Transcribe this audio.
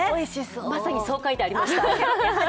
まさにそう書いてありました。